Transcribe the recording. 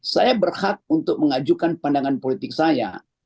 saya berhak untuk mengajukan pandangan politik saya